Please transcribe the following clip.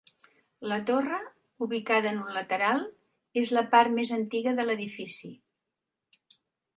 La torre, ubicada en un lateral, és la part més antiga de l'edifici.